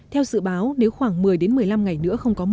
theo dự báo nếu khoảng một mươi một mươi năm ngày nữa không có mưa